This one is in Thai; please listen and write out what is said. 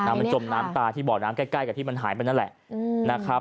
มันจมน้ำตาที่บ่อน้ำใกล้กับที่มันหายไปนั่นแหละนะครับ